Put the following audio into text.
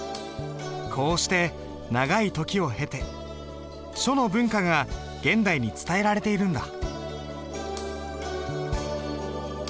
こうして長い時を経て書の文化が現代に伝えられているんだ。